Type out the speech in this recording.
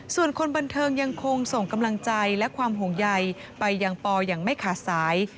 ส่วนคนบันเทิงยังคงส่งกำลังใจและความห่วงใยไปยังปออย่างไม่ขาดสาย